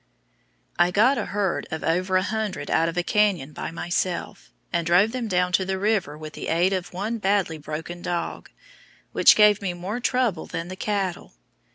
I got a herd of over a hundred out of a canyon by myself, and drove them down to the river with the aid of one badly broken dog, which gave me more trouble than the cattle.